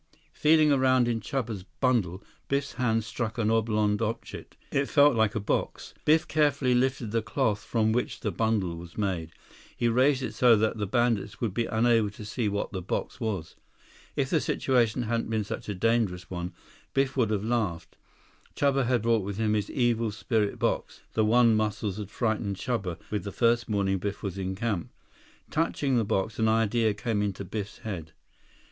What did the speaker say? Feeling around in Chuba's bundle, Biff's hand struck an oblong object. It felt like a box. Biff carefully lifted the cloth from which the bundle was made. He raised it so that the bandits would be unable to see what the box was. If the situation hadn't been such a dangerous one, Biff would have laughed. Chuba had brought with him his Evil Spirit Box—the one Muscles had frightened Chuba with the first morning Biff was in camp. Touching the box, an idea came into Biff's head.